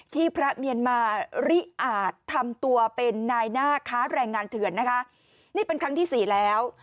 พระเมียนมาริอาจทำตัวเป็นนายหน้าค้าแรงงานเถื่อนนะคะนี่เป็นครั้งที่สี่แล้ว